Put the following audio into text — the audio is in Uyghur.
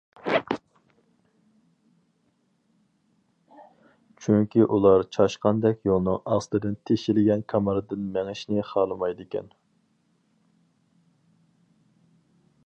چۈنكى ئۇلار چاشقاندەك يولنىڭ ئاستىدىن تېشىلگەن كاماردىن مېڭىشنى خالىمايدىكەن.